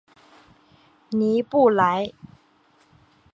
尼布莱。